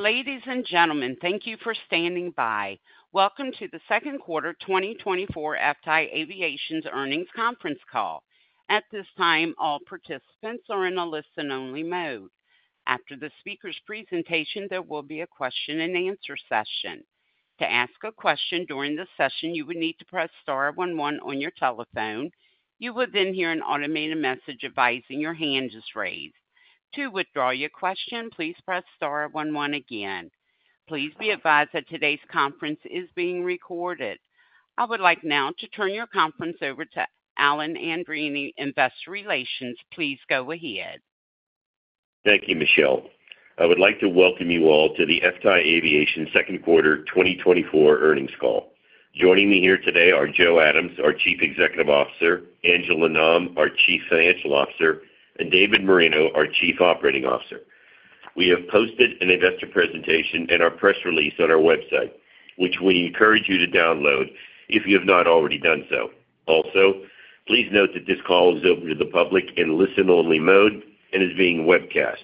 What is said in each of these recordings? Ladies and gentlemen, thank you for standing by. Welcome to the second quarter 2024 FTAI Aviation's earnings conference call. At this time, all participants are in a listen-only mode. After the speaker's presentation, there will be a question-and-answer session. To ask a question during the session, you would need to press * 11 on your telephone. You will then hear an automated message advising your hand is raised. To withdraw your question, please press * 11 again. Please be advised that today's conference is being recorded. I would like now to turn the conference over to Alan Andreini, Investor Relations. Please go ahead. Thank you, Michelle. I would like to welcome you all to the FTAI Aviation second quarter 2024 earnings call. Joining me here today are Joe Adams, our Chief Executive Officer, Angela Nam, our Chief Financial Officer, and David Moreno, our Chief Operating Officer. We have posted an investor presentation and our press release on our website, which we encourage you to download if you have not already done so. Also, please note that this call is open to the public in listen-only mode and is being webcast.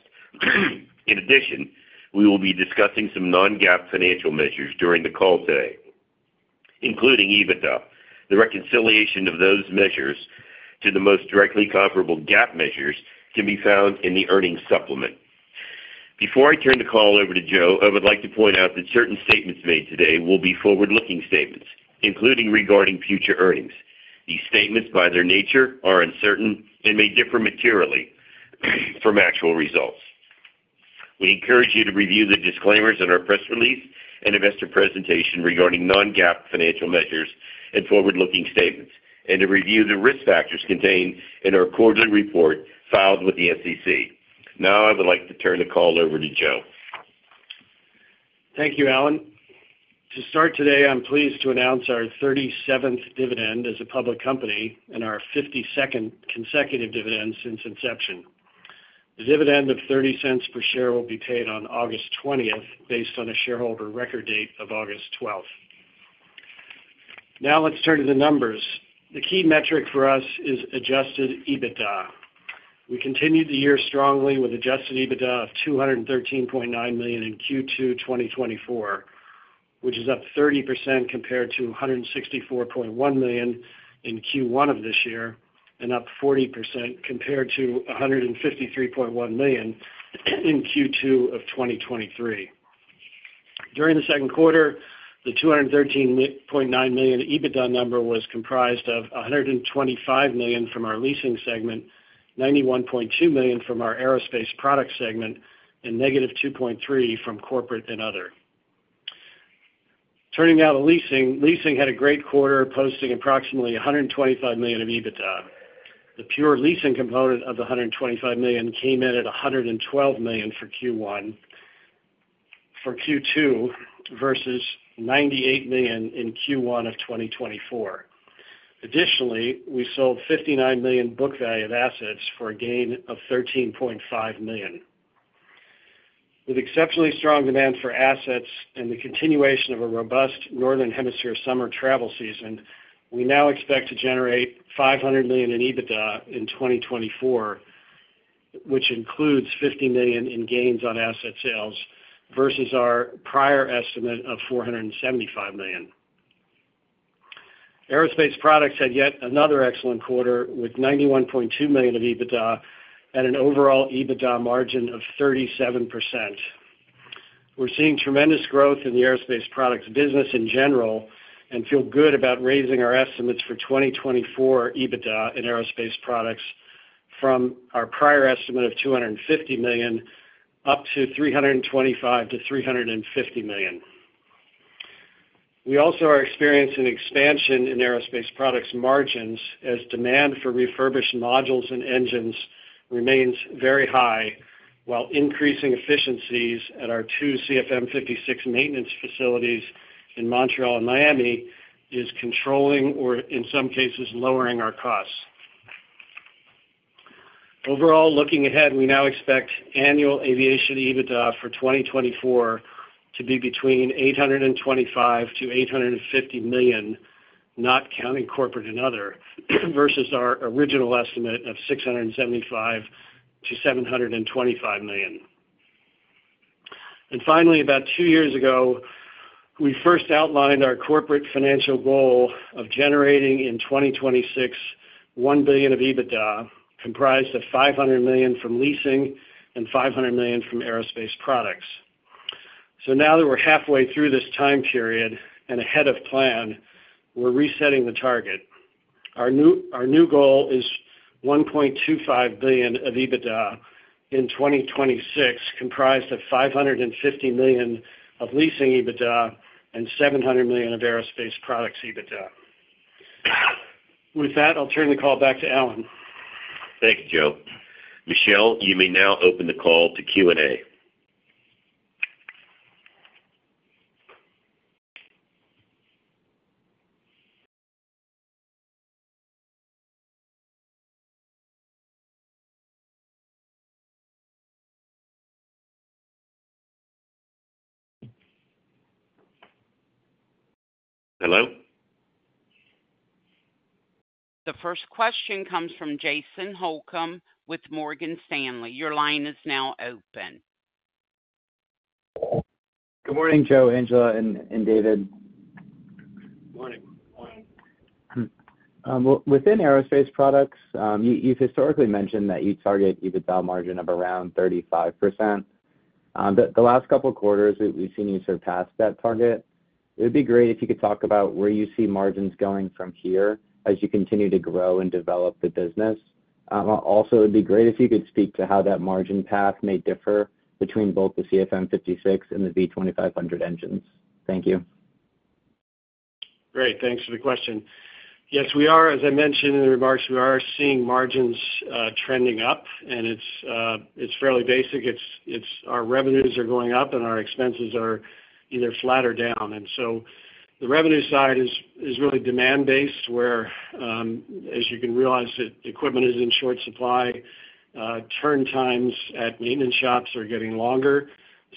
In addition, we will be discussing some non-GAAP financial measures during the call today, including EBITDA. The reconciliation of those measures to the most directly comparable GAAP measures can be found in the earnings supplement. Before I turn the call over to Joe, I would like to point out that certain statements made today will be forward-looking statements, including regarding future earnings. These statements, by their nature, are uncertain and may differ materially from actual results. We encourage you to review the disclaimers in our press release and investor presentation regarding non-GAAP financial measures and forward-looking statements, and to review the risk factors contained in our quarterly report filed with the SEC. Now, I would like to turn the call over to Joe. Thank you, Alan. To start today, I'm pleased to announce our 37th dividend as a public company and our 52nd consecutive dividend since inception. The dividend of $0.30 per share will be paid on August 20th based on a shareholder record date of August 12th. Now, let's turn to the numbers. The key metric for us is adjusted EBITDA. We continued the year strongly with adjusted EBITDA of $213.9 million in Q2 2024, which is up 30% compared to $164.1 million in Q1 of this year and up 40% compared to $153.1 million in Q2 of 2023. During the second quarter, the $213.9 million EBITDA number was comprised of $125 million from our leasing segment, $91.2 million from our aerospace product segment, and negative $2.3 million from corporate and other. Turning now to leasing, leasing had a great quarter posting approximately $125 million of EBITDA. The pure leasing component of the $125 million came in at $112 million for Q2 versus $98 million in Q1 of 2024. Additionally, we sold $59 million book value of assets for a gain of $13.5 million. With exceptionally strong demand for assets and the continuation of a robust northern hemisphere summer travel season, we now expect to generate $500 million in EBITDA in 2024, which includes $50 million in gains on asset sales versus our prior estimate of $475 million. Aerospace products had yet another excellent quarter with $91.2 million of EBITDA and an overall EBITDA margin of 37%. We're seeing tremendous growth in the aerospace products business in general and feel good about raising our estimates for 2024 EBITDA in aerospace products from our prior estimate of $250 million up to $325 million-$350 million. We also are experiencing expansion in aerospace products margins as demand for refurbished modules and engines remains very high, while increasing efficiencies at our two CFM56 maintenance facilities in Montreal and Miami is controlling or, in some cases, lowering our costs. Overall, looking ahead, we now expect annual aviation EBITDA for 2024 to be between $825 million-$850 million, not counting corporate and other, versus our original estimate of $675 million-$725 million. Finally, about two years ago, we first outlined our corporate financial goal of generating in 2026 $1 billion of EBITDA comprised of $500 million from leasing and $500 million from aerospace products. Now that we're halfway through this time period and ahead of plan, we're resetting the target. Our new goal is $1.25 billion of EBITDA in 2026 comprised of $550 million of leasing EBITDA and $700 million of aerospace products EBITDA. With that, I'll turn the call back to Alan. Thank you, Joe. Michelle, you may now open the call to Q&A. Hello? The first question comes from Jason Holcomb with Morgan Stanley. Your line is now open. Good morning, Joe, Angela, and David. Good morning. Within aerospace products, you've historically mentioned that you target EBITDA margin of around 35%. The last couple of quarters, we've seen you surpass that target. It would be great if you could talk about where you see margins going from here as you continue to grow and develop the business. Also, it would be great if you could speak to how that margin path may differ between both the CFM56 and the V2500 engines. Thank you. Great. Thanks for the question. Yes, we are, as I mentioned in the remarks, we are seeing margins trending up, and it's fairly basic. Our revenues are going up, and our expenses are either flat or down. And so the revenue side is really demand-based where, as you can realize, equipment is in short supply. Turn times at maintenance shops are getting longer.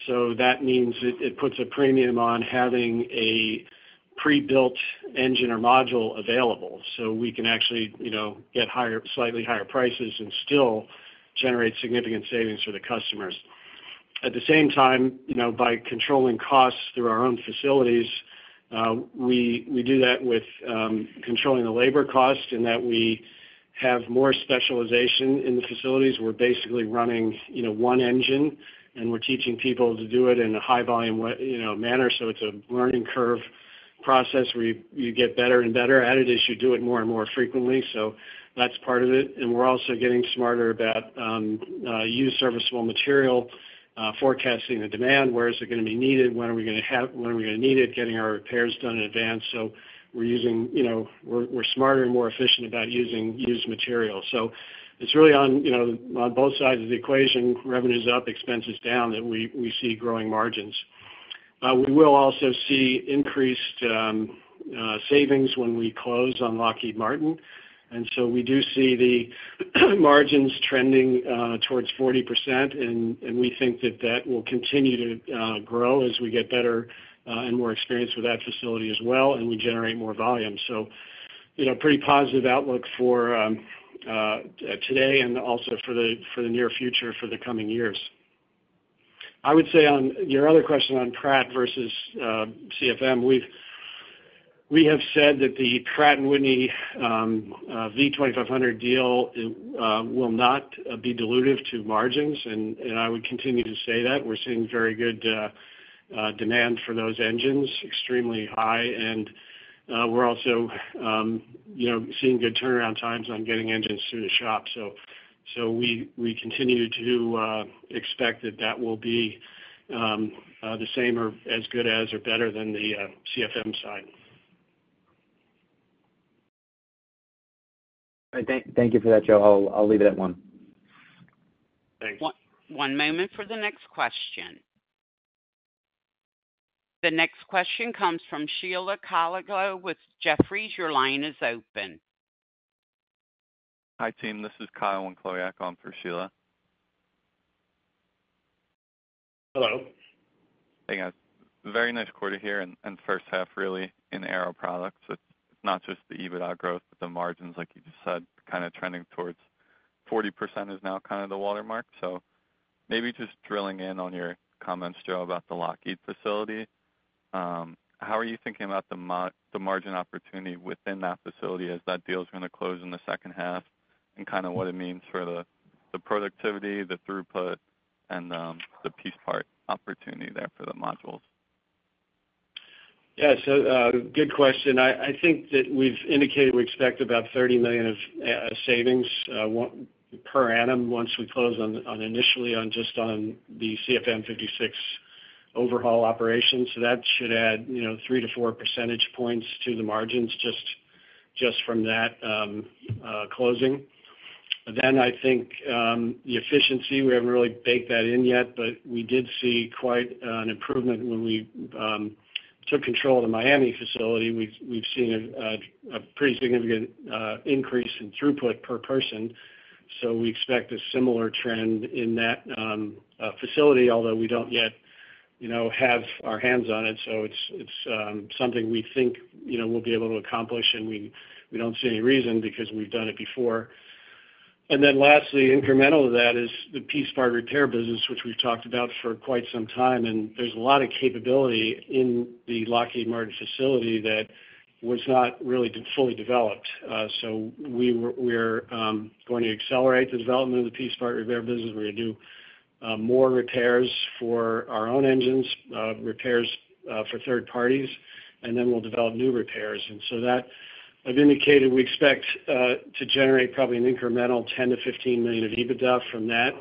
So that means it puts a premium on having a pre-built engine or module available so we can actually get slightly higher prices and still generate significant savings for the customers. At the same time, by controlling costs through our own facilities, we do that with controlling the labor cost in that we have more specialization in the facilities. We're basically running one engine, and we're teaching people to do it in a high-volume manner. So it's a learning curve process. You get better and better at it as you do it more and more frequently. So that's part of it. And we're also getting smarter about used serviceable material, forecasting the demand. Where is it going to be needed? When are we going to need it? Getting our repairs done in advance. So we're smarter and more efficient about using used material. So it's really on both sides of the equation: revenues up, expenses down, that we see growing margins. We will also see increased savings when we close on Lockheed Martin. And so we do see the margins trending towards 40%, and we think that that will continue to grow as we get better and more experienced with that facility as well, and we generate more volume. So pretty positive outlook for today and also for the near future for the coming years. I would say on your other question on Pratt versus CFM, we have said that the Pratt & Whitney V2500 deal will not be dilutive to margins, and I would continue to say that. We're seeing very good demand for those engines, extremely high, and we're also seeing good turnaround times on getting engines through the shop. So we continue to expect that that will be the same or as good as or better than the CFM side. All right. Thank you for that, Joe. I'll leave it at one. Thanks. One moment for the next question. The next question comes from Sheila Kahyaoglu with Jefferies. Your line is open. Hi, team. This is Kyle Wenclawiak for Sheila. Hello. Hey, guys. Very nice quarter here and first half, really, in aero products. It's not just the EBITDA growth, but the margins, like you just said, kind of trending towards 40% is now kind of the watermark. So maybe just drilling in on your comments, Joe, about the Lockheed facility. How are you thinking about the margin opportunity within that facility as that deal is going to close in the second half and kind of what it means for the productivity, the throughput, and the piece part opportunity there for the modules? Yeah. So good question. I think that we've indicated we expect about $30 million of savings per annum once we close initially on just on the CFM56 overhaul operations. So that should add 3-4 percentage points to the margins just from that closing. Then I think the efficiency, we haven't really baked that in yet, but we did see quite an improvement when we took control of the Miami facility. We've seen a pretty significant increase in throughput per person. So we expect a similar trend in that facility, although we don't yet have our hands on it. So it's something we think we'll be able to accomplish, and we don't see any reason because we've done it before. And then lastly, incremental to that is the piece part repair business, which we've talked about for quite some time. There's a lot of capability in the Lockheed Martin facility that was not really fully developed. We're going to accelerate the development of the piece part repair business. We're going to do more repairs for our own engines, repairs for third parties, and then we'll develop new repairs. And so that, I've indicated, we expect to generate probably an incremental $10 million-$15 million of EBITDA from that,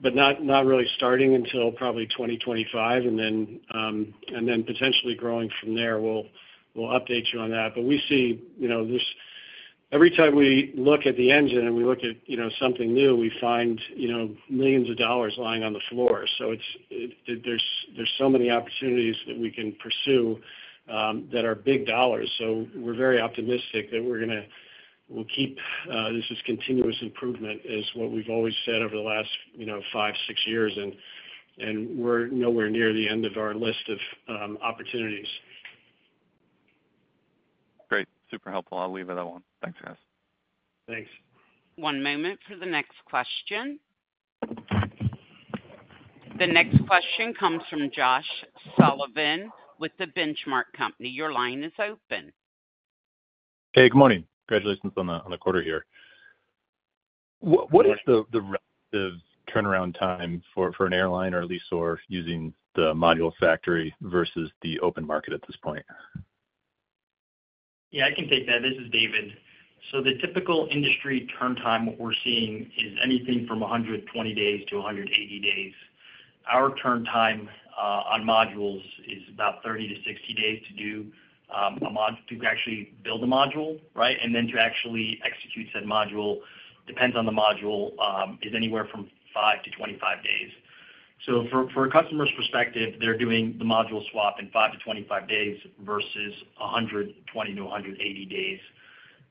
but not really starting until probably 2025, and then potentially growing from there. We'll update you on that. We see every time we look at the engine and we look at something new, we find millions of dollars lying on the floor. There's so many opportunities that we can pursue that are big dollars. We're very optimistic that we're going to keep this as continuous improvement, is what we've always said over the last 5, 6 years, and we're nowhere near the end of our list of opportunities. Great. Super helpful. I'll leave it at one. Thanks, guys. Thanks. One moment for the next question. The next question comes from Josh Sullivan with The Benchmark Company. Your line is open. Hey, good morning. Congratulations on the quarter here. What is the relative turnaround time for an airline or lessor using the Module Factory versus the open market at this point? Yeah, I can take that. This is David. So the typical industry turn time we're seeing is anything from 120-180 days. Our turn time on modules is about 30-60 days to actually build a module, right? And then to actually execute said module depends on the module is anywhere from 5-25 days. So for a customer's perspective, they're doing the module swap in 5-25 days versus 120-180 days.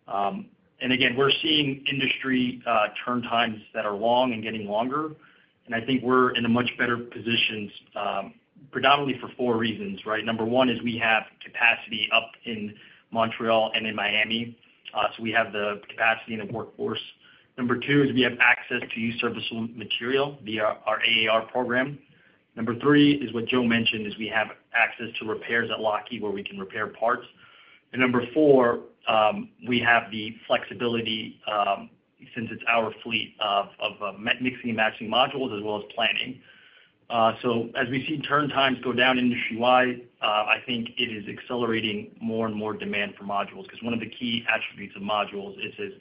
And again, we're seeing industry turn times that are long and getting longer. And I think we're in a much better position predominantly for four reasons, right? Number one is we have capacity up in Montreal and in Miami. So we have the capacity and the workforce. Number two is we have access to used serviceable material via our AAR program. Number three is what Joe mentioned is we have access to repairs at Lockheed where we can repair parts. Number four, we have the flexibility since it's our fleet of mixing and matching modules as well as planning. As we see turn times go down industry-wide, I think it is accelerating more and more demand for modules because one of the key attributes of modules is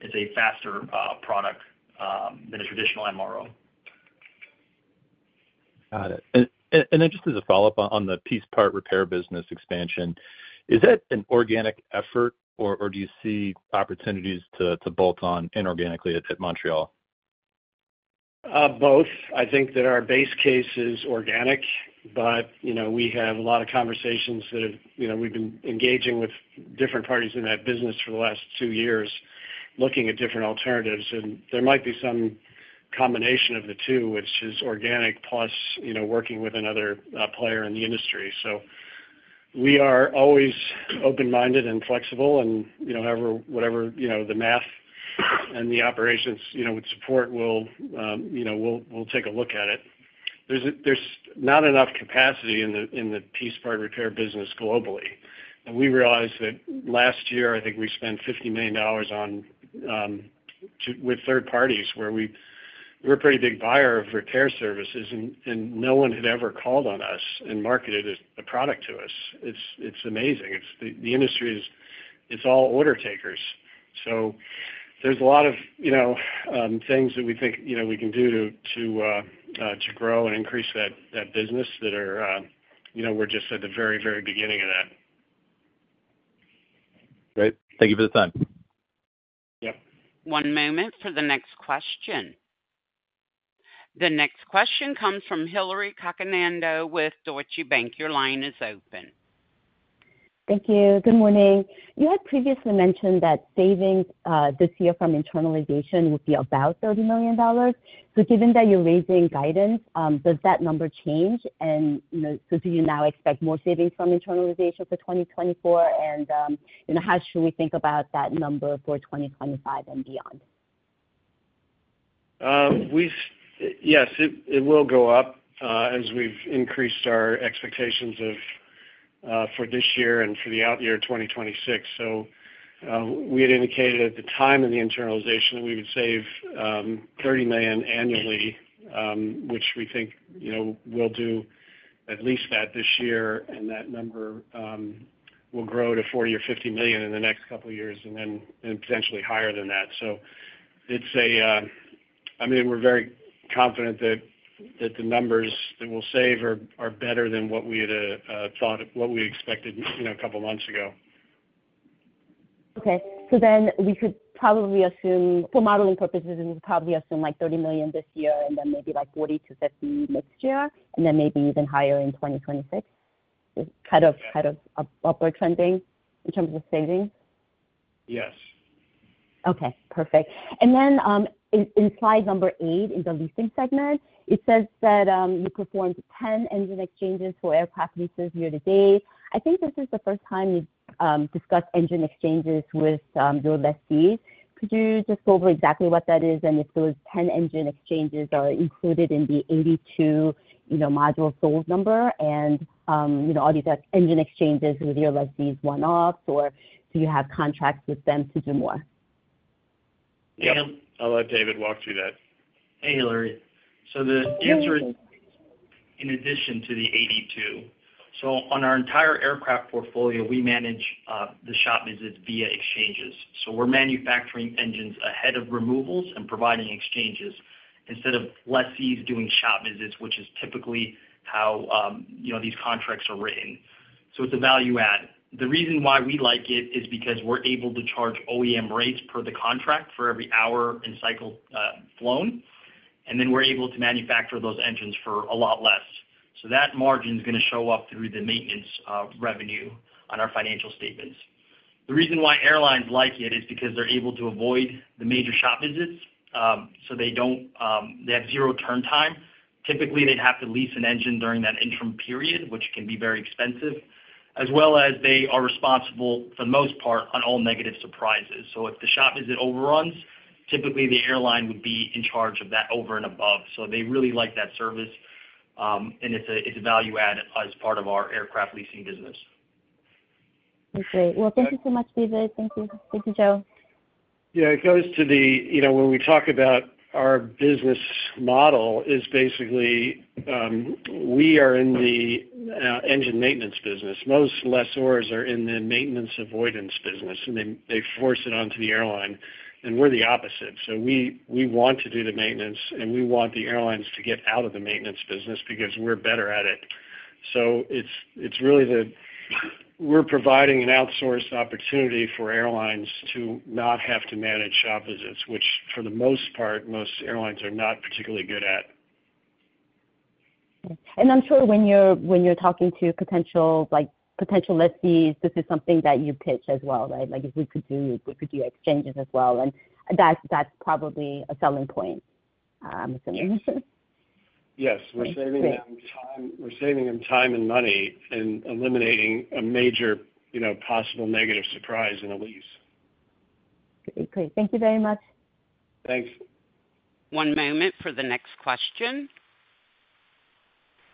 it's a faster product than a traditional MRO. Got it. And then just as a follow-up on the piece part repair business expansion, is that an organic effort, or do you see opportunities to bolt on inorganically at Montreal? Both. I think that our base case is organic, but we have a lot of conversations that we've been engaging with different parties in that business for the last two years looking at different alternatives. And there might be some combination of the two, which is organic plus working with another player in the industry. So we are always open-minded and flexible, and whatever the math and the operations would support, we'll take a look at it. There's not enough capacity in the piece part repair business globally. And we realized that last year, I think we spent $50 million with third parties where we were a pretty big buyer of repair services, and no one had ever called on us and marketed a product to us. It's amazing. The industry is all order takers. There's a lot of things that we think we can do to grow and increase that business that we're just at the very, very beginning of that. Great. Thank you for the time. Yep. One moment for the next question. The next question comes from Hillary Cacanando with Deutsche Bank. Your line is open. Thank you. Good morning. You had previously mentioned that savings this year from internalization would be about $30 million. So given that you're raising guidance, does that number change? And so do you now expect more savings from internalization for 2024? And how should we think about that number for 2025 and beyond? Yes, it will go up as we've increased our expectations for this year and for the out year 2026. So we had indicated at the time of the internalization that we would save $30 million annually, which we think we'll do at least that this year, and that number will grow to $40 or $50 million in the next couple of years and then potentially higher than that. So I mean, we're very confident that the numbers that we'll save are better than what we had thought, what we expected a couple of months ago. Okay. So then we could probably assume for modeling purposes, we would probably assume like $30 million this year and then maybe like $40-$50 next year and then maybe even higher in 2026? Kind of upward trending in terms of savings? Yes. Okay. Perfect. Then in slide number 8 in the leasing segment, it says that you performed 10 engine exchanges for aircraft leases year to date. I think this is the first time you've discussed engine exchanges with your lessees. Could you just go over exactly what that is and if those 10 engine exchanges are included in the 82 modules sold number and are these engine exchanges with your lessees one-offs, or do you have contracts with them to do more? Yeah. I'll let David walk through that. Hey, Hillary. So the answer is in addition to the 82. So on our entire aircraft portfolio, we manage the shop visits via exchanges. So we're manufacturing engines ahead of removals and providing exchanges instead of lessees doing shop visits, which is typically how these contracts are written. So it's a value add. The reason why we like it is because we're able to charge OEM rates per the contract for every hour and cycle flown, and then we're able to manufacture those engines for a lot less. So that margin is going to show up through the maintenance revenue on our financial statements. The reason why airlines like it is because they're able to avoid the major shop visits. So they have zero turn time. Typically, they'd have to lease an engine during that interim period, which can be very expensive, as well as they are responsible for the most part on all negative surprises. So if the shop visit overruns, typically the airline would be in charge of that over and above. So they really like that service, and it's a value add as part of our aircraft leasing business. Okay. Well, thank you so much, David. Thank you. Thank you, Joe. Yeah. It goes to the when we talk about our business model is basically we are in the engine maintenance business. Most lessors are in the maintenance avoidance business, and they force it onto the airline. And we're the opposite. So we want to do the maintenance, and we want the airlines to get out of the maintenance business because we're better at it. So it's really that we're providing an outsourced opportunity for airlines to not have to manage shop visits, which for the most part, most airlines are not particularly good at. I'm sure when you're talking to potential lessees, this is something that you pitch as well, right? Like, "If we could do exchanges as well." That's probably a selling point, I'm assuming. Yes. We're saving them time and money and eliminating a major possible negative surprise in a lease. Great. Thank you very much. Thanks. One moment for the next question.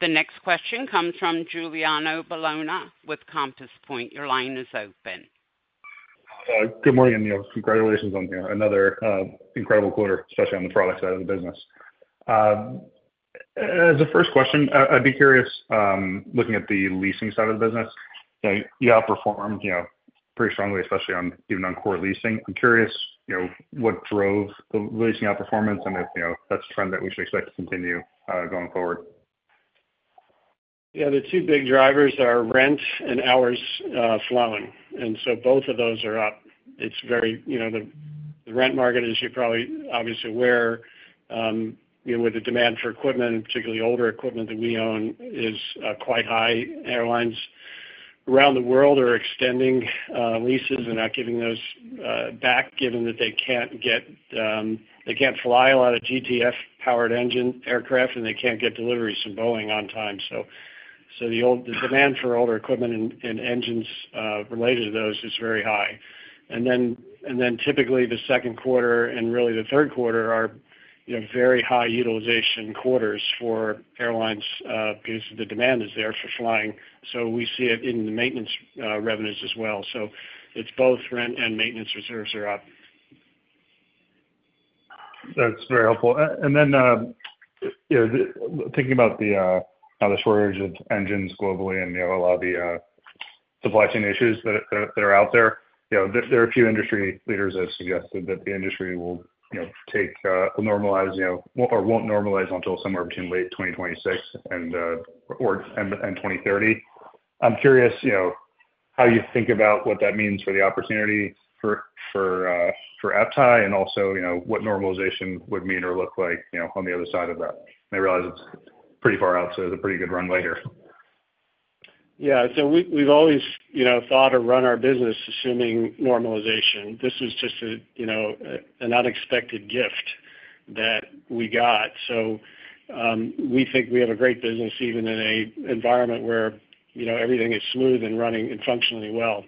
The next question comes from Giuliano Bologna with Compass Point. Your line is open. Good morning and congratulations on another incredible quarter, especially on the product side of the business. As a first question, I'd be curious, looking at the leasing side of the business, you outperformed pretty strongly, especially even on core leasing. I'm curious what drove the leasing outperformance, and if that's a trend that we should expect to continue going forward. Yeah. The two big drivers are rent and hours flown. And so both of those are up. It's very tight, the rent market, as you're probably obviously aware, with the demand for equipment, particularly older equipment that we own, is quite high. Airlines around the world are extending leases and not giving those back, given that they can't fly a lot of GTF-powered engine aircraft, and they can't get deliveries from Boeing on time. So the demand for older equipment and engines related to those is very high. And then typically the second quarter and really the third quarter are very high utilization quarters for airlines because the demand is there for flying. So we see it in the maintenance revenues as well. So both rent and maintenance reserves are up. That's very helpful. And then thinking about the shortage of engines globally and a lot of the supply chain issues that are out there, there are a few industry leaders that suggested that the industry will take a normalize or won't normalize until somewhere between late 2026 and 2030. I'm curious how you think about what that means for the opportunity for FTAI and also what normalization would mean or look like on the other side of that. And I realize it's pretty far out, so it's a pretty good runway here. Yeah. So we've always thought or run our business assuming normalization. This was just an unexpected gift that we got. So we think we have a great business even in an environment where everything is smooth and running and functioning well.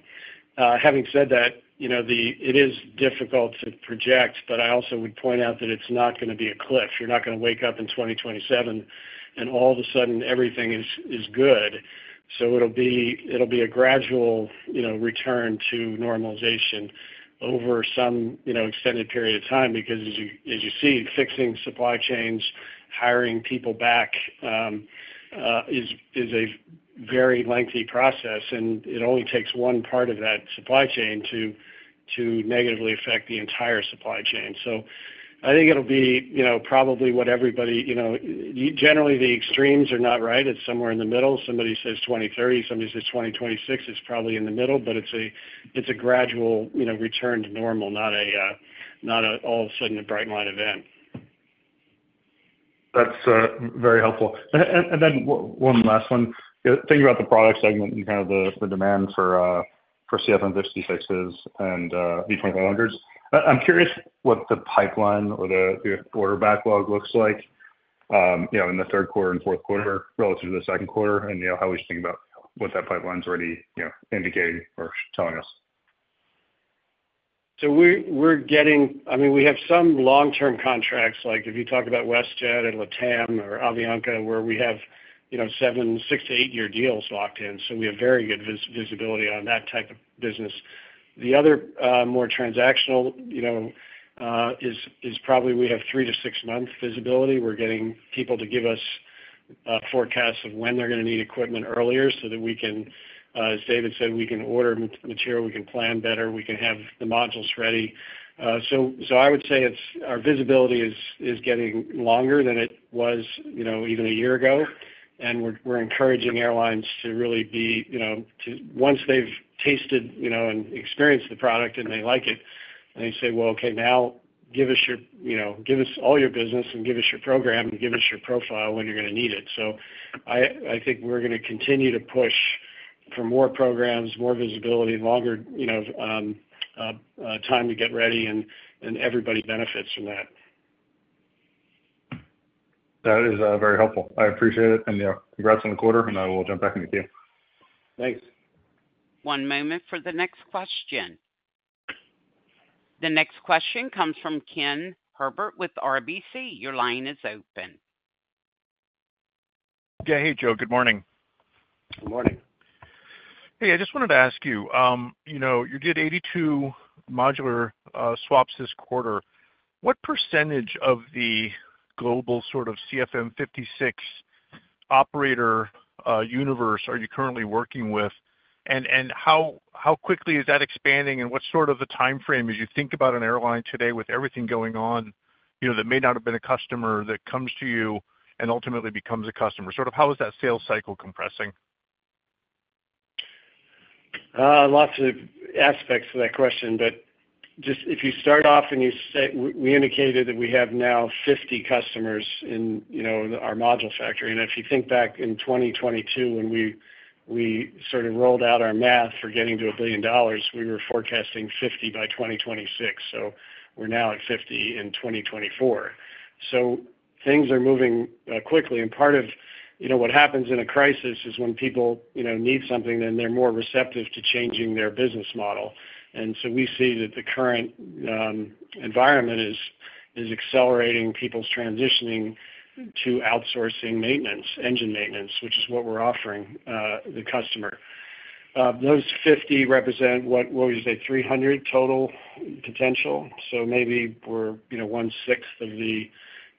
Having said that, it is difficult to project, but I also would point out that it's not going to be a cliff. You're not going to wake up in 2027 and all of a sudden everything is good. So it'll be a gradual return to normalization over some extended period of time because, as you see, fixing supply chains, hiring people back is a very lengthy process, and it only takes one part of that supply chain to negatively affect the entire supply chain. So I think it'll be probably what everybody generally, the extremes are not right. It's somewhere in the middle. Somebody says 2030. Somebody says 2026 is probably in the middle, but it's a gradual return to normal, not all of a sudden a bright line event. That's very helpful. And then one last one. Thinking about the product segment and kind of the demand for CFM56s and V2500s, I'm curious what the pipeline or the order backlog looks like in the third quarter and fourth quarter relative to the second quarter and how we should think about what that pipeline's already indicating or telling us. So we're getting I mean, we have some long-term contracts. Like if you talk about WestJet and LATAM or Avianca, where we have 7-, 6- to 8-year deals locked in. So we have very good visibility on that type of business. The other more transactional is probably we have 3- to 6-month visibility. We're getting people to give us forecasts of when they're going to need equipment earlier so that we can, as David said, we can order material, we can plan better, we can have the modules ready. So I would say our visibility is getting longer than it was even a year ago. We're encouraging airlines to really be once they've tasted and experienced the product and they like it, they say, "Well, okay, now give us all your business and give us your program and give us your profile when you're going to need it." So I think we're going to continue to push for more programs, more visibility, longer time to get ready, and everybody benefits from that. That is very helpful. I appreciate it. Congrats on the quarter, and I will jump back in with you. Thanks. One moment for the next question. The next question comes from Ken Herbert with RBC. Your line is open. Yeah. Hey, Joe. Good morning. Good morning. Hey, I just wanted to ask you, you did 82 modular swaps this quarter. What percentage of the global sort of CFM56 operator universe are you currently working with? And how quickly is that expanding? And what sort of a timeframe as you think about an airline today with everything going on that may not have been a customer that comes to you and ultimately becomes a customer? Sort of how is that sales cycle compressing? Lots of aspects of that question, but just if you start off and you say we indicated that we have now 50 customers in our Module Factory. And if you think back in 2022 when we sort of rolled out our math for getting to $1 billion, we were forecasting 50 by 2026. So we're now at 50 in 2024. So things are moving quickly. And part of what happens in a crisis is when people need something, then they're more receptive to changing their business model. And so we see that the current environment is accelerating people's transitioning to outsourcing maintenance, engine maintenance, which is what we're offering the customer. Those 50 represent what we say 300 total potential. So maybe we're 1/6 of the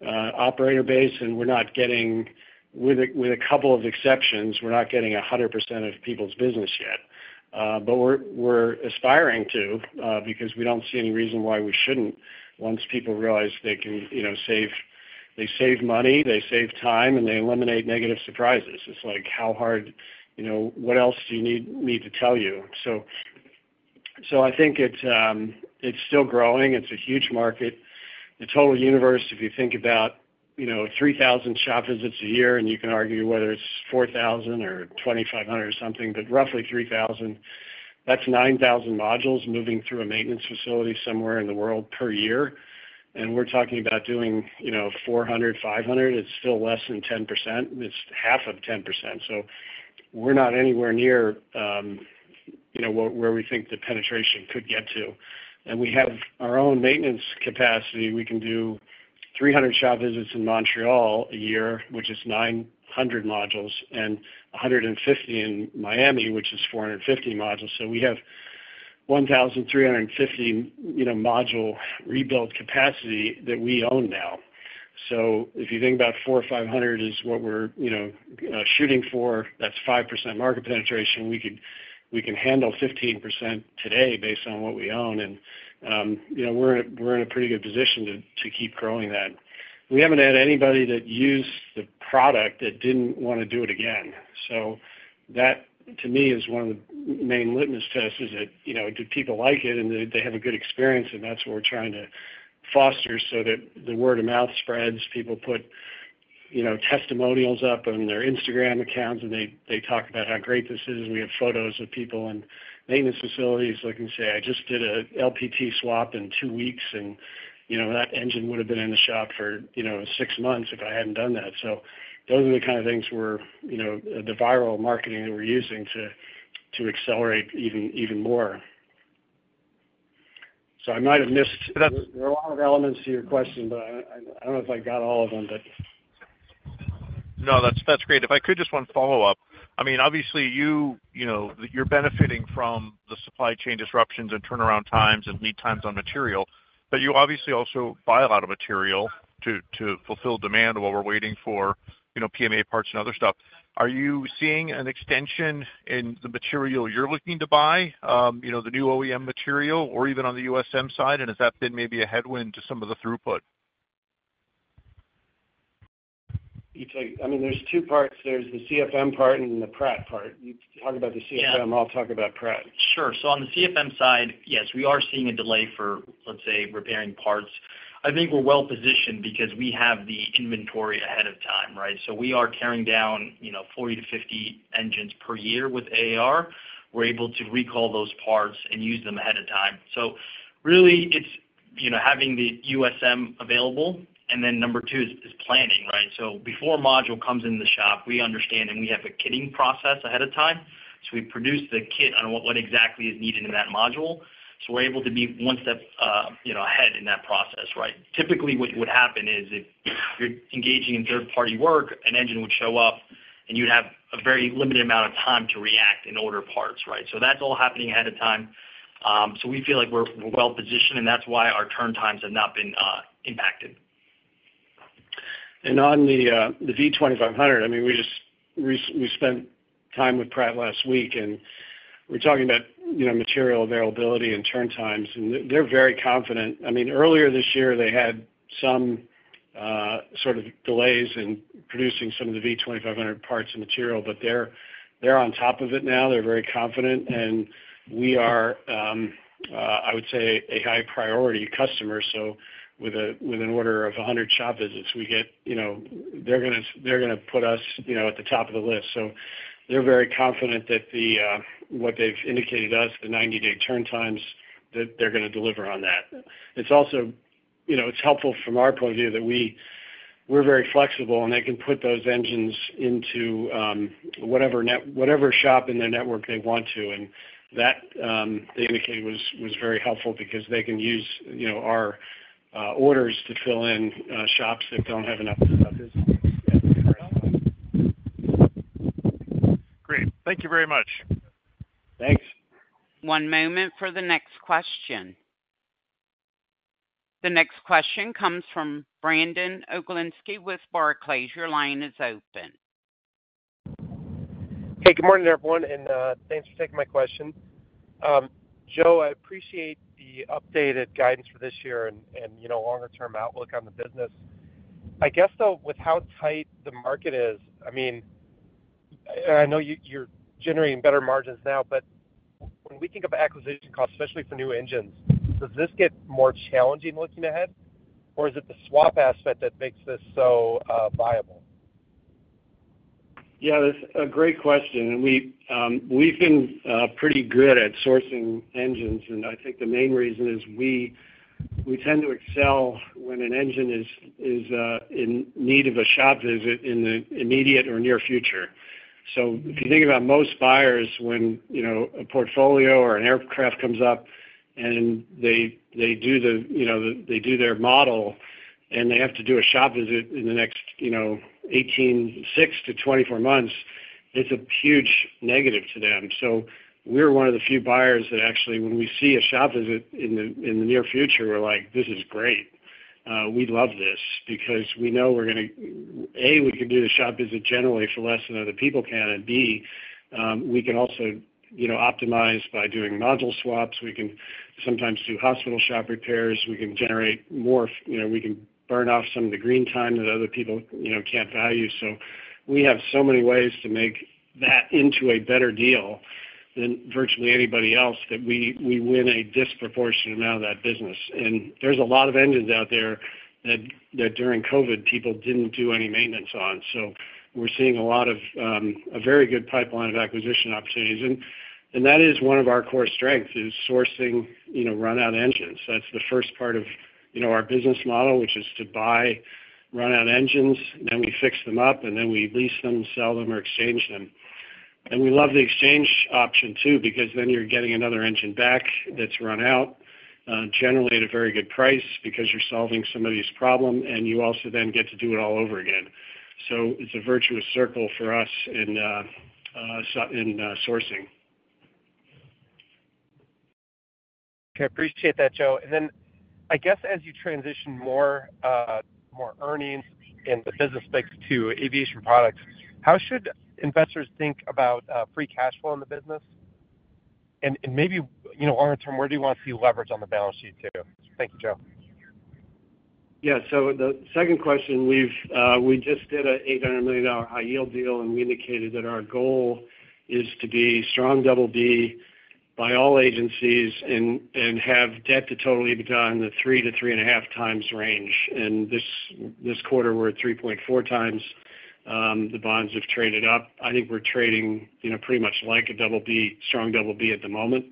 operator base, and we're not getting with a couple of exceptions, we're not getting 100% of people's business yet. But we're aspiring to because we don't see any reason why we shouldn't once people realize they save money, they save time, and they eliminate negative surprises. It's like, "How hard? What else do you need me to tell you?" So I think it's still growing. It's a huge market. The total universe, if you think about 3,000 shop visits a year, and you can argue whether it's 4,000 or 2,500 or something, but roughly 3,000, that's 9,000 modules moving through a maintenance facility somewhere in the world per year. And we're talking about doing 400-500. It's still less than 10%. It's half of 10%. So we're not anywhere near where we think the penetration could get to. And we have our own maintenance capacity. We can do 300 shop visits in Montreal a year, which is 900 modules, and 150 in Miami, which is 450 modules. We have 1,350 module rebuild capacity that we own now. If you think about 4,500 is what we're shooting for, that's 5% market penetration. We can handle 15% today based on what we own. We're in a pretty good position to keep growing that. We haven't had anybody that used the product that didn't want to do it again. That, to me, is one of the main litmus tests is that do people like it and they have a good experience? That's what we're trying to foster so that the word of mouth spreads. People put testimonials up on their Instagram accounts, and they talk about how great this is. We have photos of people in maintenance facilities looking to say, "I just did an LPT swap in 2 weeks, and that engine would have been in the shop for 6 months if I hadn't done that." So those are the kind of things where the viral marketing that we're using to accelerate even more. So I might have missed. There are a lot of elements to your question, but I don't know if I got all of them, but. No, that's great. If I could, just one follow-up. I mean, obviously, you're benefiting from the supply chain disruptions and turnaround times and lead times on material, but you obviously also buy a lot of material to fulfill demand while we're waiting for PMA parts and other stuff. Are you seeing an extension in the material you're looking to buy, the new OEM material or even on the USM side? And has that been maybe a headwind to some of the throughput? I mean, there's two parts. There's the CFM part and the Pratt part. You talk about the CFM, I'll talk about Pratt. Sure. So on the CFM side, yes, we are seeing a delay for, let's say, repairing parts. I think we're well-positioned because we have the inventory ahead of time, right? So we are tearing down 40-50 engines per year with AAR. We're able to recall those parts and use them ahead of time. So really, it's having the USM available. And then number two is planning, right? So before a module comes into the shop, we understand and we have a kitting process ahead of time. So we produce the kit on what exactly is needed in that module. So we're able to be one step ahead in that process, right? Typically, what would happen is if you're engaging in third-party work, an engine would show up and you'd have a very limited amount of time to react and order parts, right? So that's all happening ahead of time. So we feel like we're well-positioned, and that's why our turn times have not been impacted. On the V2500, I mean, we spent time with Pratt last week, and we're talking about material availability and turn times. They're very confident. I mean, earlier this year, they had some sort of delays in producing some of the V2500 parts and material, but they're on top of it now. They're very confident. We are, I would say, a high-priority customer. So with an order of 100 shop visits, we get they're going to put us at the top of the list. So they're very confident that what they've indicated to us, the 90-day turn times, that they're going to deliver on that. It's also helpful from our point of view that we're very flexible and they can put those engines into whatever shop in their network they want to. That, they indicated, was very helpful because they can use our orders to fill in shops that don't have enough stuff. Great. Thank you very much. Thanks. One moment for the next question. The next question comes from Brandon Oglenski with Barclays. Your line is open. Hey, good morning, everyone. Thanks for taking my question. Joe, I appreciate the updated guidance for this year and longer-term outlook on the business. I guess, though, with how tight the market is, I mean, I know you're generating better margins now, but when we think of acquisition costs, especially for new engines, does this get more challenging looking ahead? Or is it the swap aspect that makes this so viable? Yeah, that's a great question. We've been pretty good at sourcing engines, and I think the main reason is we tend to excel when an engine is in need of a shop visit in the immediate or near future. So if you think about most buyers, when a portfolio or an aircraft comes up and they do their model and they have to do a shop visit in the next 18, 6 to 24 months, it's a huge negative to them. So we're one of the few buyers that actually, when we see a shop visit in the near future, we're like, "This is great. We love this because we know we're going to, A, we can do the shop visit generally for less than other people can, and B, we can also optimize by doing module swaps. We can sometimes do hospital shop repairs. We can generate more. We can burn off some of the green time that other people can't value." So we have so many ways to make that into a better deal than virtually anybody else that we win a disproportionate amount of that business. And there's a lot of engines out there that during COVID, people didn't do any maintenance on. So we're seeing a lot of a very good pipeline of acquisition opportunities. And that is one of our core strengths is sourcing run-out engines. That's the first part of our business model, which is to buy run-out engines, then we fix them up, and then we lease them, sell them, or exchange them. And we love the exchange option too because then you're getting another engine back that's run out, generally at a very good price because you're solving somebody's problem, and you also then get to do it all over again. It's a virtuous circle for us in sourcing. Okay. I appreciate that, Joe. And then I guess as you transition more earnings in the business space to aviation products, how should investors think about free cash flow in the business? And maybe longer term, where do you want to see leverage on the balance sheet too? Thank you, Joe. Yeah. So the second question, we just did an $800 million high-yield deal, and we indicated that our goal is to be strong BB by all agencies and have debt to total EBITDA in the 3-3.5 times range. This quarter, we're at 3.4 times. The bonds have traded up. I think we're trading pretty much like a strong BB at the moment.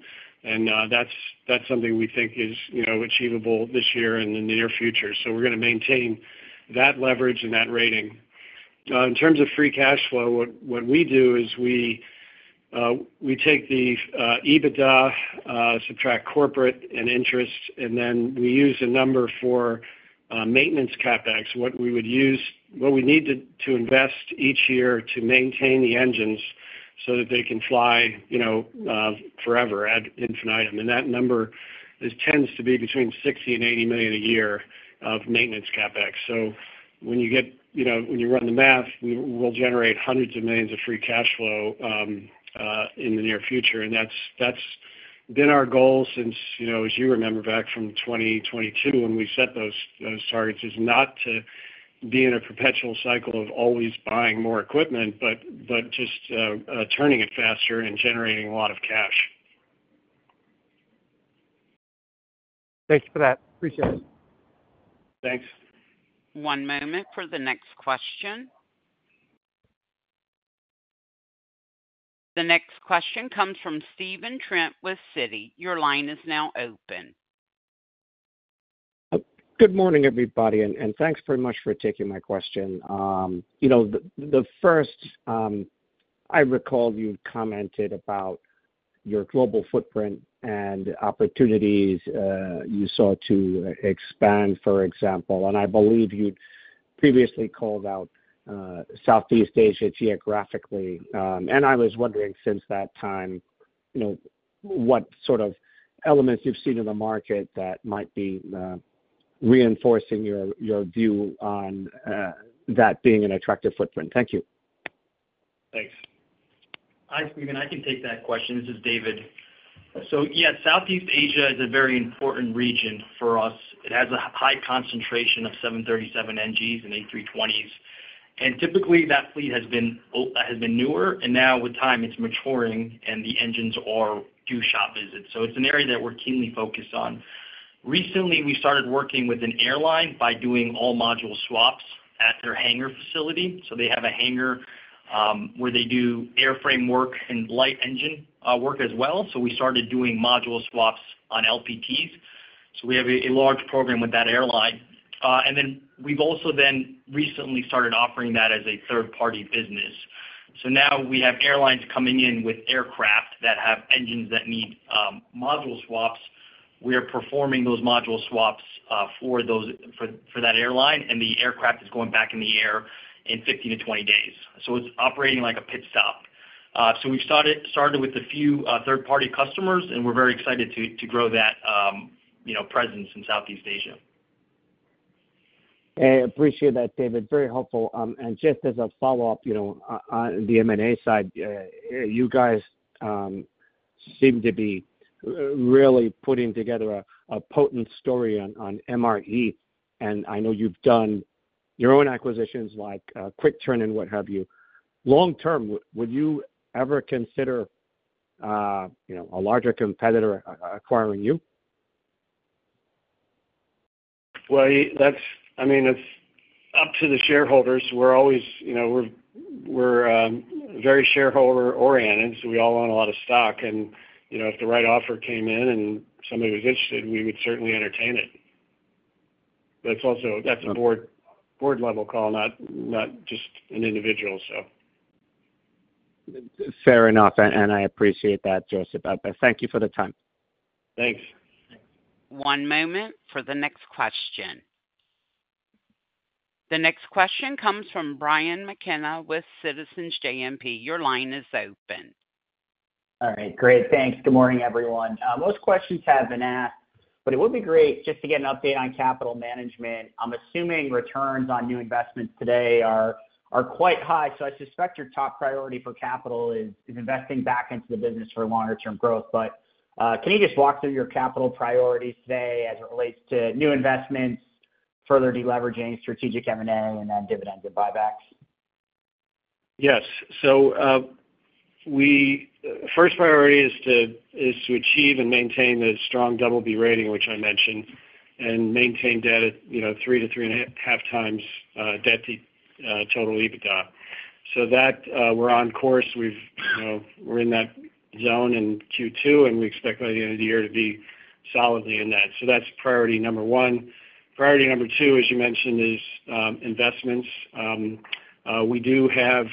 That's something we think is achievable this year and in the near future. So we're going to maintain that leverage and that rating. In terms of free cash flow, what we do is we take the EBITDA, subtract corporate and interest, and then we use a number for Maintenance CapEx, what we would use, what we need to invest each year to maintain the engines so that they can fly forever at infinitum. That number tends to be between $60 million and $80 million a year of Maintenance CapEx. So when you run the math, we'll generate hundreds of millions of free cash flow in the near future. That's been our goal since, as you remember back from 2022 when we set those targets, is not to be in a perpetual cycle of always buying more equipment, but just turning it faster and generating a lot of cash. Thank you for that. Appreciate it. Thanks. One moment for the next question. The next question comes from Stephen Trent with Citi. Your line is now open. Good morning, everybody. Thanks very much for taking my question. The first, I recall you commented about your global footprint and opportunities you saw to expand, for example. I believe you previously called out Southeast Asia geographically. I was wondering since that time, what sort of elements you've seen in the market that might be reinforcing your view on that being an attractive footprint. Thank you. Thanks. Hi, Stephen. I can take that question. This is David. Southeast Asia is a very important region for us. It has a high concentration of 737 NGs and A320s. Typically, that fleet has been newer. Now with time, it's maturing, and the engines are due shop visits. It's an area that we're keenly focused on. Recently, we started working with an airline by doing all module swaps at their hangar facility. They have a hangar where they do airframe work and light engine work as well. We started doing module swaps on LPTs. We have a large program with that airline. We've also recently started offering that as a third-party business. Now we have airlines coming in with aircraft that have engines that need module swaps. We are performing those module swaps for that airline, and the aircraft is going back in the air in 15-20 days. So it's operating like a pit stop. So we've started with a few third-party customers, and we're very excited to grow that presence in Southeast Asia. I appreciate that, David. Very helpful. And just as a follow-up, on the M&A side, you guys seem to be really putting together a potent story on MRE. And I know you've done your own acquisitions like QuickTurn and what have you. Long term, would you ever consider a larger competitor acquiring you? Well, I mean, it's up to the shareholders. We're always very shareholder-oriented. So we all own a lot of stock. And if the right offer came in and somebody was interested, we would certainly entertain it. But that's a board-level call, not just an individual, so. Fair enough. And I appreciate that, Joseph. Thank you for the time. Thanks. One moment for the next question. The next question comes from Brian McKenna with Citizens JMP. Your line is open. All right. Great. Thanks. Good morning, everyone. Most questions have been asked, but it would be great just to get an update on capital management. I'm assuming returns on new investments today are quite high. So I suspect your top priority for capital is investing back into the business for longer-term growth. But can you just walk through your capital priorities today as it relates to new investments, further deleveraging, strategic M&A, and then dividends and buybacks? Yes. So first priority is to achieve and maintain the strong BB rating, which I mentioned, and maintain debt at 3-3.5 times debt to total EBITDA. So that we're on course. We're in that zone in Q2, and we expect by the end of the year to be solidly in that. So that's priority number one. Priority number two, as you mentioned, is investments. We do have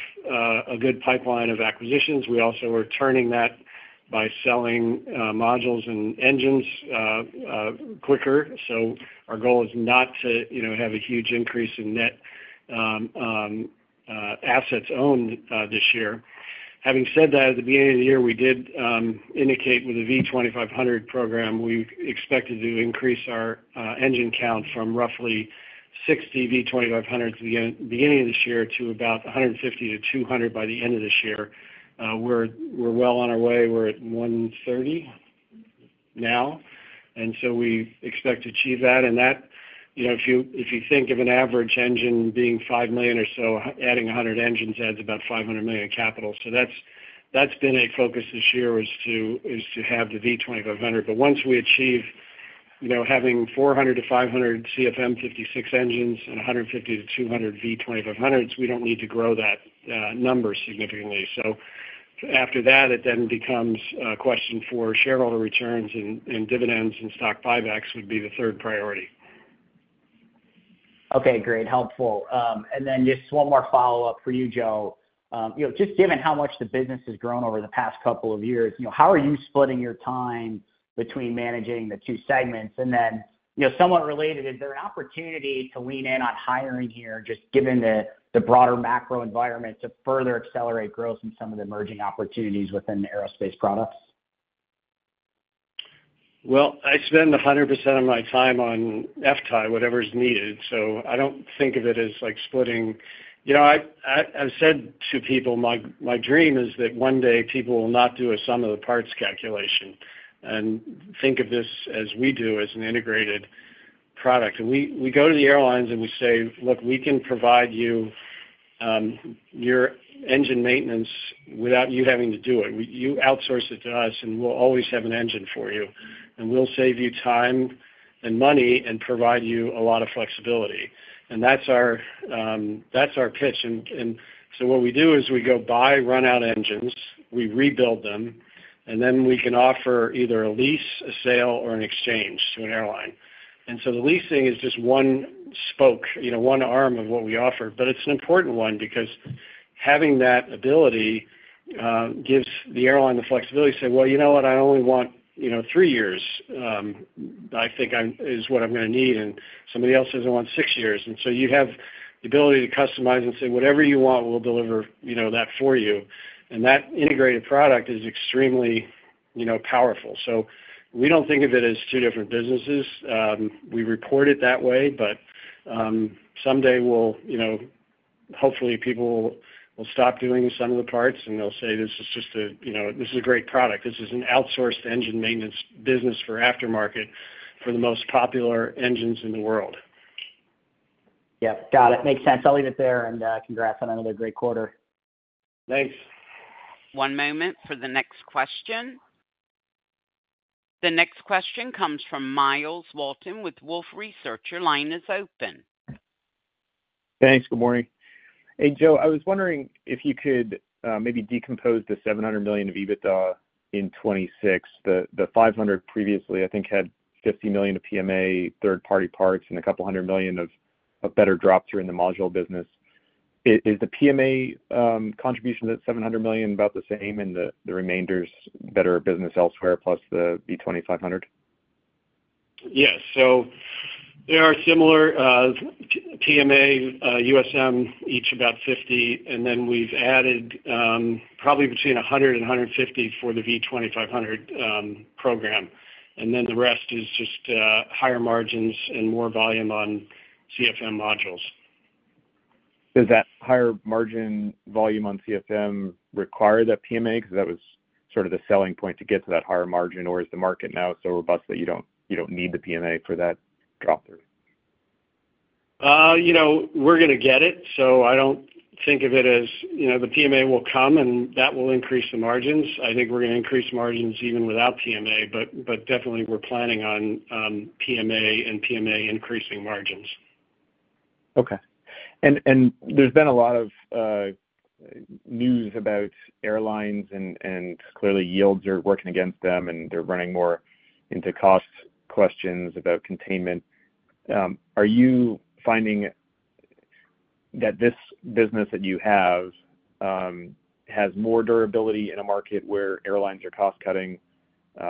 a good pipeline of acquisitions. We also are turning that by selling modules and engines quicker. So our goal is not to have a huge increase in net assets owned this year. Having said that, at the beginning of the year, we did indicate with the V2500 program, we expected to increase our engine count from roughly 60 V2500s at the beginning of this year to about 150-200 by the end of this year. We're well on our way. We're at 130 now. And so we expect to achieve that. And if you think of an average engine being $5 million or so, adding 100 engines adds about $500 million in capital. So that's been a focus this year is to have the V2500. But once we achieve having 400-500 CFM56 engines and 150-200 V2500s, we don't need to grow that number significantly. So after that, it then becomes a question for shareholder returns and dividends and stock buybacks would be the third priority. Okay. Great. Helpful. And then just one more follow-up for you, Joe. Just given how much the business has grown over the past couple of years, how are you splitting your time between managing the two segments? And then somewhat related, is there an opportunity to lean in on hiring here, just given the broader macro environment, to further accelerate growth in some of the emerging opportunities within the aerospace products? Well, I spend 100% of my time on FTAI, whatever is needed. So I don't think of it as splitting. I've said to people, my dream is that one day people will not do a sum of the parts calculation and think of this as we do as an integrated product. And we go to the airlines and we say, "Look, we can provide you your engine maintenance without you having to do it. You outsource it to us, and we'll always have an engine for you. And we'll save you time and money and provide you a lot of flexibility." And that's our pitch. And so what we do is we go buy run-out engines, we rebuild them, and then we can offer either a lease, a sale, or an exchange to an airline. And so the leasing is just one spoke, one arm of what we offer. But it's an important one because having that ability gives the airline the flexibility to say, "Well, you know what? I only want three years, I think, is what I'm going to need. And somebody else says I want six years." And so you have the ability to customize and say, "Whatever you want, we'll deliver that for you." And that integrated product is extremely powerful. So we don't think of it as two different businesses. We report it that way. But someday, hopefully, people will stop doing some of the parts, and they'll say, "This is just a great product. This is an outsourced engine maintenance business for aftermarket for the most popular engines in the world. Yep. Got it. Makes sense. I'll leave it there and congrats on another great quarter. Thanks. One moment for the next question. The next question comes from Myles Walton with Wolfe Research. Your line is open. Thanks. Good morning. Hey, Joe. I was wondering if you could maybe decompose the $700 million of EBITDA in 2026. The $500 million previously, I think, had $50 million of PMA, third-party parts, and $200 million of better drops during the module business. Is the PMA contribution of that $700 million about the same, and the remainder's better business elsewhere plus the V2500? Yes. So there are similar PMA, USM, each about 50. And then we've added probably between 100 and 150 for the V2500 program. And then the rest is just higher margins and more volume on CFM modules. Does that higher margin volume on CFM require that PMA? Because that was sort of the selling point to get to that higher margin. Or is the market now so robust that you don't need the PMA for that drop-through? We're going to get it. So I don't think of it as the PMA will come, and that will increase the margins. I think we're going to increase margins even without PMA. But definitely, we're planning on PMA and PMA increasing margins. Okay. And there's been a lot of news about airlines, and clearly, yields are working against them, and they're running more into cost questions about containment. Are you finding that this business that you have has more durability in a market where airlines are cost-cutting?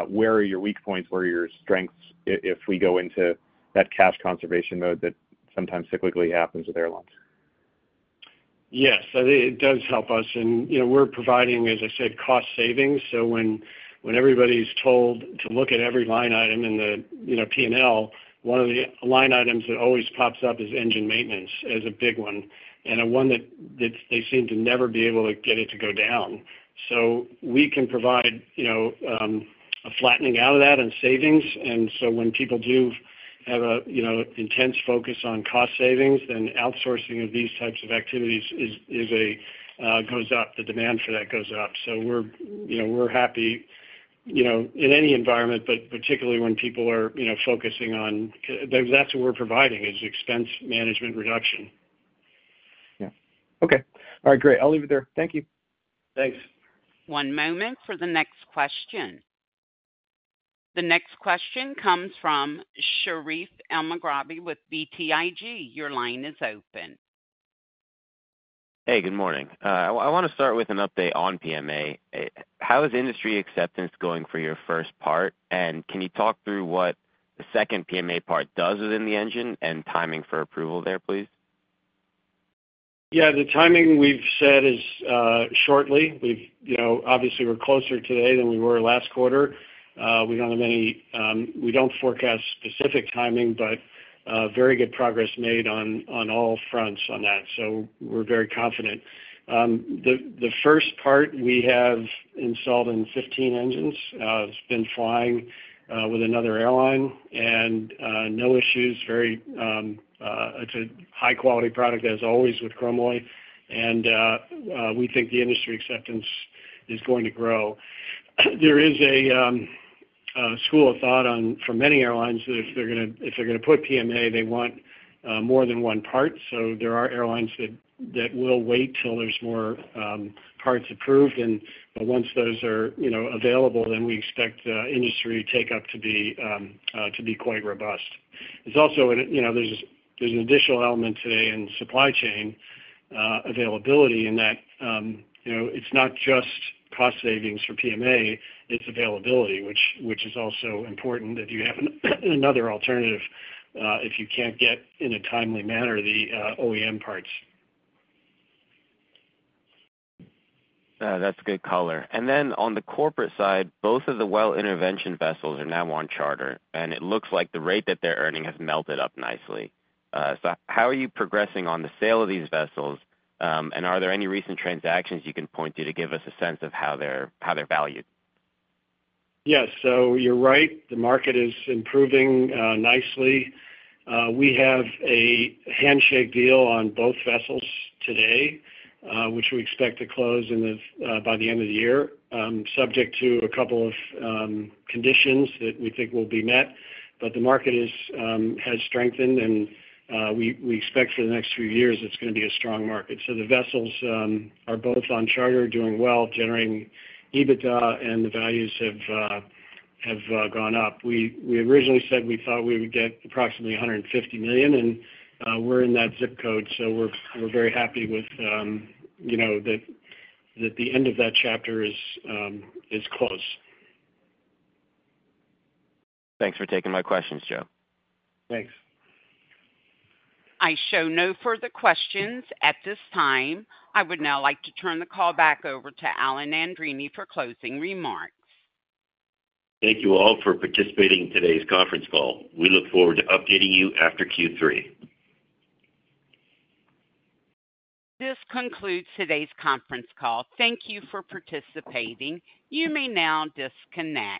Where are your weak points? Where are your strengths if we go into that cash conservation mode that sometimes cyclically happens with airlines? Yes. It does help us. And we're providing, as I said, cost savings. So when everybody's told to look at every line item in the P&L, one of the line items that always pops up is engine maintenance as a big one, and one that they seem to never be able to get it to go down. So we can provide a flattening out of that and savings. And so when people do have an intense focus on cost savings, then outsourcing of these types of activities goes up. The demand for that goes up. So we're happy in any environment, but particularly when people are focusing on that. That's what we're providing is expense management reduction. Yeah. Okay. All right. Great. I'll leave it there. Thank you. Thanks. One moment for the next question. The next question comes from Sherif Elmaghrabi with BTIG. Your line is open. Hey, good morning. I want to start with an update on PMA. How is industry acceptance going for your first part? Can you talk through what the second PMA part does within the engine and timing for approval there, please? Yeah. The timing we've said is shortly. Obviously, we're closer today than we were last quarter. We don't have any; we don't forecast specific timing, but very good progress made on all fronts on that. So we're very confident. The first part we have installed in 15 engines. It's been flying with another airline and no issues. It's a high-quality product, as always, with Chromalloy. And we think the industry acceptance is going to grow. There is a school of thought for many airlines that if they're going to put PMA, they want more than one part. So there are airlines that will wait till there's more parts approved. And once those are available, then we expect industry take up to be quite robust. There's an additional element today in supply chain availability in that it's not just cost savings for PMA. Its availability, which is also important if you have another alternative if you can't get in a timely manner the OEM parts. That's a good color. Then on the corporate side, both of the well intervention vessels are now on charter. It looks like the rate that they're earning has melted up nicely. How are you progressing on the sale of these vessels? Are there any recent transactions you can point to to give us a sense of how they're valued? Yes. So you're right. The market is improving nicely. We have a handshake deal on both vessels today, which we expect to close by the end of the year, subject to a couple of conditions that we think will be met. But the market has strengthened, and we expect for the next few years it's going to be a strong market. So the vessels are both on charter, doing well, generating EBITDA, and the values have gone up. We originally said we thought we would get approximately $150 million, and we're in that zip code. So we're very happy that the end of that chapter is close. Thanks for taking my questions, Joe. Thanks. I show no further questions at this time. I would now like to turn the call back over to Alan Andreini for closing remarks. Thank you all for participating in today's conference call. We look forward to updating you after Q3. This concludes today's conference call. Thank you for participating. You may now disconnect.